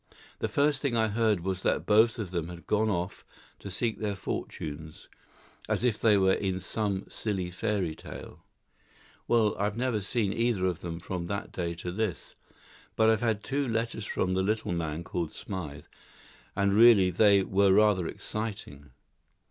The first thing I heard was that both of them had gone off to seek their fortunes, as if they were in some silly fairy tale. "Well, I've never seen either of them from that day to this. But I've had two letters from the little man called Smythe, and really they were rather exciting."